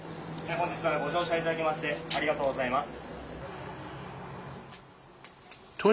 本日はご乗車いただきまして、ありがとうございます。